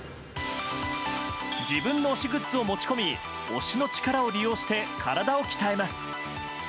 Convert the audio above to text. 自分の推しグッズを持ち込み推しの力を利用して体を鍛えます。